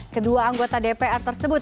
kedua anggota dpr tersebut